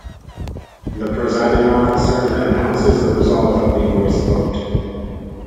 The presiding officer then announces the result of the voice vote.